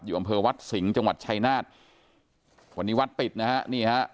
อำเภอวัดสิงห์จังหวัดชายนาฏวันนี้วัดปิดนะฮะนี่ฮะ